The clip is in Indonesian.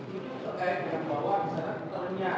sebaiknya di bawah misalnya kita berniaga